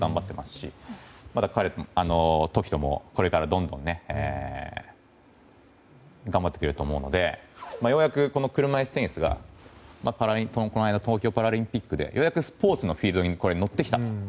しまだ凱人もこれからどんどん頑張ってくれると思うので車いすテニスがこの間、東京パラリンピックでようやくスポーツのフィールドに乗ってきた。